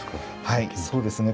はいそうですね。